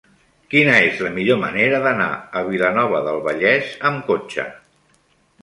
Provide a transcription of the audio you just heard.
Quina és la millor manera d'anar a Vilanova del Vallès amb cotxe?